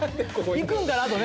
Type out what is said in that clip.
行くんかな？とね。